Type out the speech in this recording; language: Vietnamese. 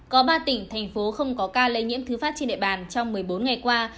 có ba tỉnh thành phố không có ca lây nhiễm thứ phát trên địa bàn trong một mươi bốn ngày qua